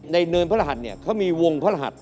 เนินพระรหัสเนี่ยเขามีวงพระรหัส